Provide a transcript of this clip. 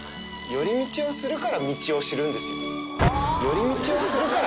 寄り道をするから道を知るんですよ。